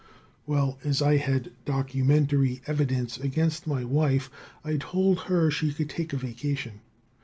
"Well, as I had documentary evidence against my wife, I told her she could take a vacation.